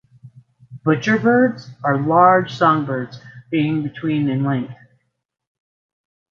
Butcherbirds are large songbirds, being between in length.